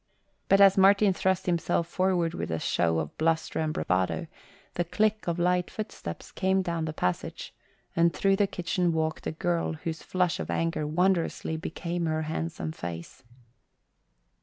But as Martin thrust himself forward with a show of bluster and bravado, the click of light footsteps came down the passage, and through the kitchen walked a girl whose flush of anger wondrously became her handsome face.